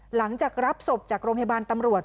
หลังจากรับศพจากโรงพยาบาลตำรวจ